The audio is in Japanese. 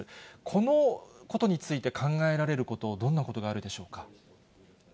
このことについて考えられること、どんなことがあるでしょうか。